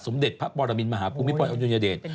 สมเด็จพระบรมินมหาปุรุมิปริยุญเดช